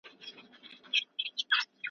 بیا به کله را پخلا سي مرور له کوره تللی .